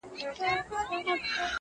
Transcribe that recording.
چوروندک ځالګۍ نه سوه پرېښودلای-